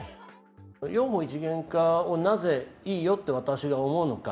幼保一元化をなぜいいよって私が思うのか